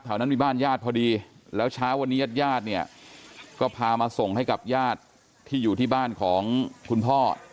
นั้นมีบ้านญาติพอดีแล้วเช้าวันนี้ญาติญาติเนี่ยก็พามาส่งให้กับญาติที่อยู่ที่บ้านของคุณพ่อ